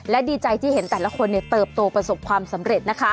และดีใจที่เห็นแต่ละคนเติบโตประสบความสำเร็จนะคะ